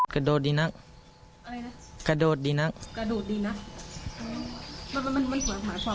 กระโดดดีนักอะไรนะกระโดดดีนักกระโดดดีนักมันมันมัน